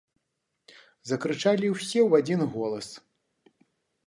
- закрычалi ўсе ў адзiн голас.